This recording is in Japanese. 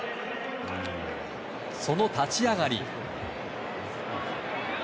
その立ち上がり。